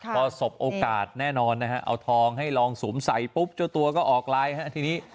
ประสบโอกาสแน่นอนนะฮะเอาทองให้ลองสูมใส่ปุ๊บจุดตัวก็ออกไลน์